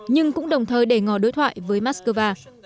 nhưng cũng đồng thời để ngò đối thoại với moscow